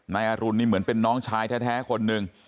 นายอรุณนี่เหมือนเป็นน้องชายแท้คนหนึ่ง